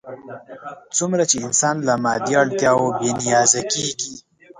څومره چې انسان له مادي اړتیاوو بې نیازه کېږي.